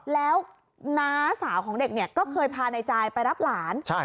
แล้วน้าสาวของเด็กก็เคยพาในจ่ายไปรับหลาน